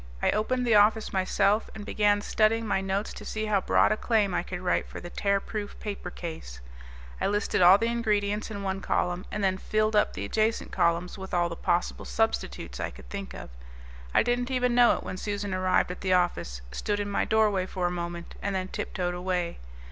I opened the office myself and began studying my notes to see how broad a claim I could write for the Tearproof Paper Case. I listed all the ingredients in one column, and then filled up the adjacent columns with all the possible substitutes I could think of. I didn't even know it when Susan arrived at the office, stood in my doorway for a moment, and then tip toed away.